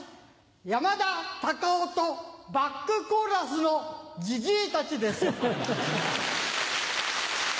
山田隆夫とバックコーラスのじじいたちです。